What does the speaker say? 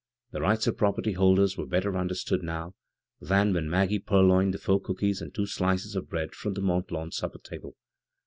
The rights of property holders were better understood now than when Maggie purloined the four cookies aod two slices of bread from the Mont Lawn supper table.